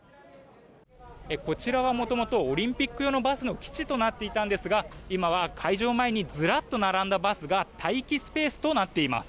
こちらはもともとオリンピック用のバスの基地となっていたんですが今は会場前にずらっと並んだバスが待機スペースとなっています。